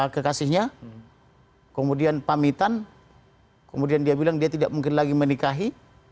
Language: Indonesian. kekasihnya kemudian pamitan kemudian dia bilang dia tidak mungkin lagi menikahi